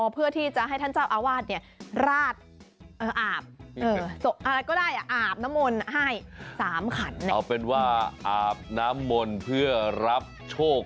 เพื่อที่จะให้ท่านเจ้าอาวาสเนี่ยลาดอ่าบเออ